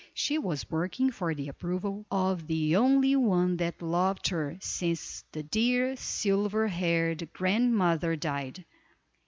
She was working for the approval of the only one that loved her since the dear silver haired grandmother died.